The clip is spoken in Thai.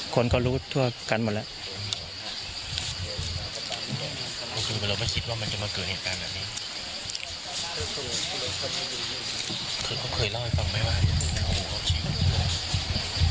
คนก็รู้ทั่วกันหมดแล้ว